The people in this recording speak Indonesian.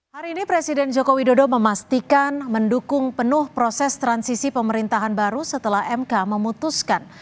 hari ini presiden joko widodo memastikan mendukung penuh proses transisi pemerintahan baru setelah mk memutuskan